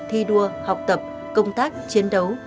thi đua học tập công tác chiến đấu